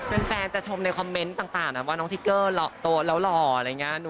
เพื่อนจะชมในคอมเม้นต์ต่างว่าน้องทิเกอร์ตัวแล้วหล่ออะไรงี้